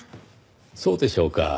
そうでしょうか？